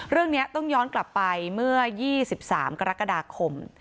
เรื่องนี้ต้องย้อนกลับไปเมื่อ๒๓กรกฎาคม